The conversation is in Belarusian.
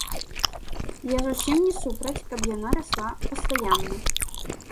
Я зусім не супраць, каб яна расла пастаянна.